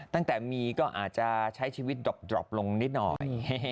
ตั้งแต่มีก็อาจจะใช้ชีวิตดรอบลงนิดหน่อย